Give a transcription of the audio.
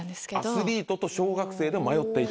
アスリートと小学生で迷っていた。